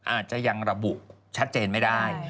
อาจจะยังระบุชัดเจนไม่ได้